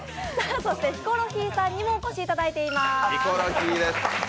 そしてヒコロヒーさんにもお越しいただいています。